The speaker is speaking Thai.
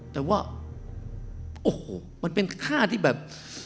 แต่ว่าโอ้โหมันเป็นค่าที่แบบ